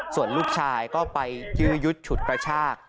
ส่วนลูกชายก็ไปยื้อยุดฉุดกระชาก